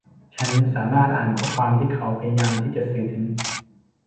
ฉันสามารถอ่านข้อความที่เขาพยายามที่จะสื่อถึง